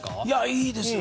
いいですね。